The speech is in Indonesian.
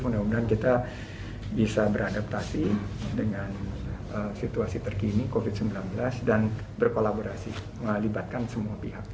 mudah mudahan kita bisa beradaptasi dengan situasi terkini covid sembilan belas dan berkolaborasi melibatkan semua pihak